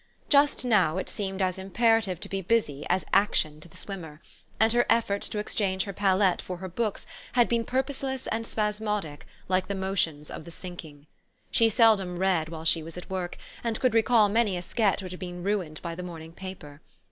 Just now, it seemed as imperative to be busy, as action to the swimmer ; and her efforts to exchange her palette for her books had been pur THE STORY OF AVIS. 175 poseless and spasmodic, like the motions of the sink ing. She seldom read while she was at work, and could recall many a sketch which had been ruined by the morning paper.